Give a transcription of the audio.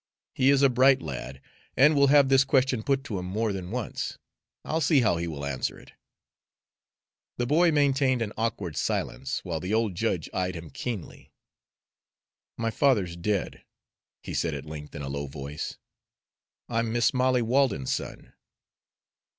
He is a bright lad, and will have this question put to him more than once. I'll see how he will answer it." The boy maintained an awkward silence, while the old judge eyed him keenly. "My father's dead," he said at length, in a low voice. "I'm Mis' Molly Walden's son."